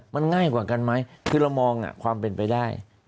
มันง่ายกว่ากันไหมคือเรามองความเป็นไปได้